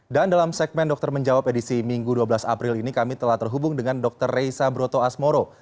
dan dalam segmen dokter menjawab edisi minggu dua belas april ini kami telah terhubung dengan dr reysa broto asmoro